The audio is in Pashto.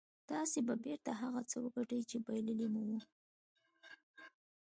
تاسې به بېرته هغه څه وګټئ چې بايللي مو وو.